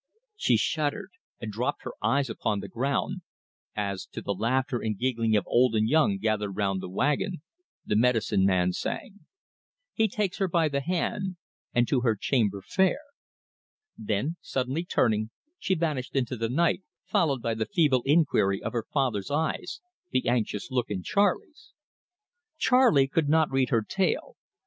She shuddered, and dropped her eyes upon the ground, as, to the laughter and giggling of old and young gathered round the wagon, the medicine man sang: "He takes her by the hand, And to her chamber fair " Then, suddenly turning, she vanished into the night, followed by the feeble inquiry of her father's eyes, the anxious look in Charley's. Charley could not read her tale.